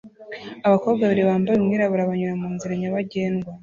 Abakobwa babiri bambaye umwirabura banyura munzira nyabagendwa